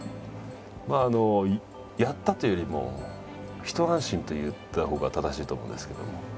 まああのやったというよりも一安心と言ったほうが正しいと思うんですけども。